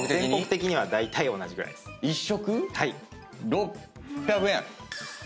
６００円。